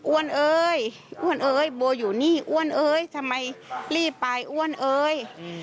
ว้นเอ๋ยโบอยู่นี่ว้นเอ๋ยทำไมรีบไปว้นเอ๋ย